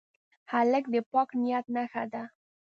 هلک د پاک نیت نښه ده.